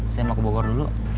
saya mau ke bogor dulu